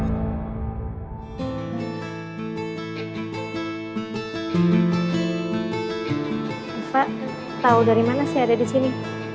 pak tau dari mana saya ada di sini